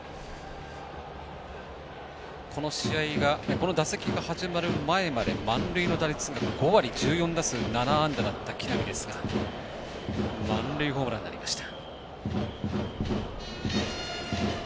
この打席が始まる前まで満塁の打率が５割１４打数７安打だった木浪ですが満塁ホームランになりました。